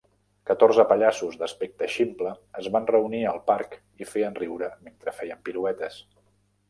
Catorze pallassos d'aspecte ximple es van reunir al parc i feien riure mentre feien piruetes.